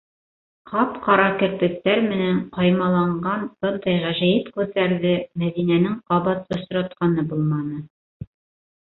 Ҡап-ҡара керпектәр менән ҡаймаланған бындай ғәжәйеп күҙҙәрҙе Мәҙинәнең ҡабат осратҡаны булманы ла.